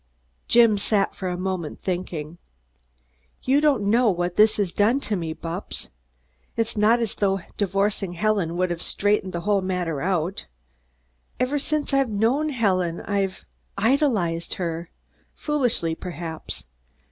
Jim sat for a moment thinking. "You don't know what this has done to me, Bupps. It's not as though divorcing Helen would straighten the whole matter out. Ever since I've known Helen I've idolized her foolishly, perhaps.